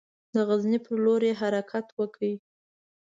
د غزني پر لور یې حرکت وکړ.